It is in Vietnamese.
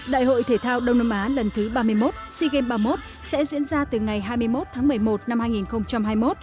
đại hội thể thao đông nam á lần thứ ba mươi một sea games ba mươi một sẽ diễn ra từ ngày hai mươi một tháng một mươi một năm hai nghìn hai mươi một